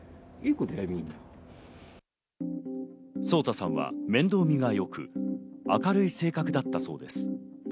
颯太さんは面倒見がよく、明るい性格だったそうです。